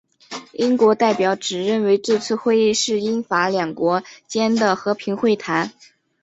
英国代表只认为这次的会议是英法两国间的和平会谈。